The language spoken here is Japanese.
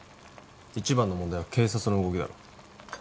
一番の問題は警察の動きだろ